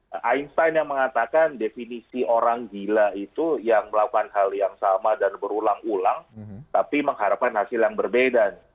ada ainsign yang mengatakan definisi orang gila itu yang melakukan hal yang sama dan berulang ulang tapi mengharapkan hasil yang berbeda